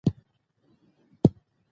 غزني د افغانستان د زرغونتیا نښه ده.